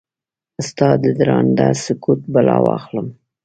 ستا ددرانده سکوت بلا واخلم؟